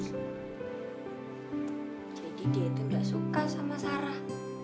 jadi dia itu gak suka sama sarah